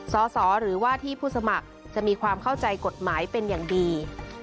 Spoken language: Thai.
สสหรือว่าที่ผู้สมัครจะมีความเข้าใจกฎหมายเป็นอย่างดี